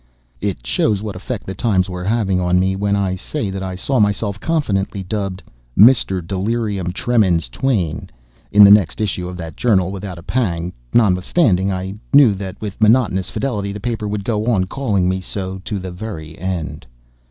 [It shows what effect the times were having on me when I say that I saw myself, confidently dubbed "Mr. Delirium Tremens Twain" in the next issue of that journal without a pang notwithstanding I knew that with monotonous fidelity the paper would go on calling me so to the very end.